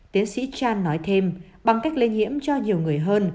tiến sĩ chan nói thêm bằng cách lây nhiễm cho nhiều người hơn